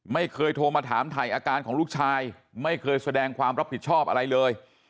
ไม่เคยโทรมาถามถ่ายอาการของลูกชายไม่เคยแสดงความรับผิดชอบอะไรเลย